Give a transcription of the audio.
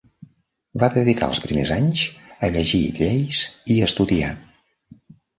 Va dedicar els primers anys a llegir lleis i estudiar.